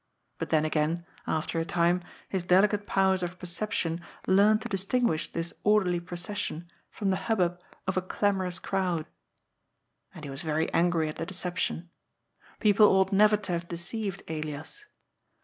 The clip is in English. But then again, after a time, his delicate powers of perception learned to distinguish this orderly procession from the hubbub of a clamorous crowd. And he was very angry at the deception. Pepple ought never to have deceived Elias.